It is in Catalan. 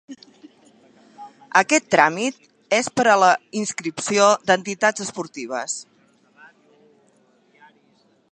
Aquest tràmit és per a la inscripció d'entitats esportives.